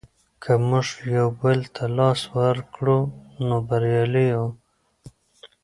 که موږ یو بل ته لاس ورکړو نو بریالي یو.